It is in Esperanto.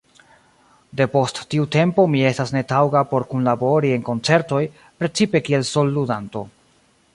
De post tiu tempo mi estas netaŭga por kunlabori en koncertoj, precipe kiel solludanto.